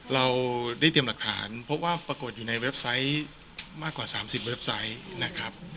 เราได้เตรียมหลักฐานเพราะว่าปรากฏอยู่ในเว็บไซต์มากกว่า๓๐เว็บไซต์นะครับ